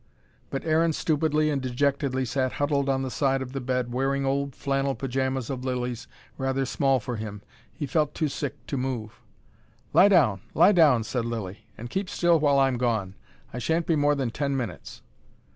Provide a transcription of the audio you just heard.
But Aaron stupidly and dejectedly sat huddled on the side of the bed, wearing old flannel pyjamas of Lilly's, rather small for him. He felt too sick to move. "Lie down! Lie down!" said Lilly. "And keep still while I'm gone. I shan't be more than ten minutes."